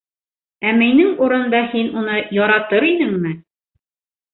—Ә минең урында һин уны яратыр инеңме?